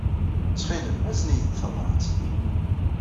Ttxil-m, azen-iyi-d tabṛat.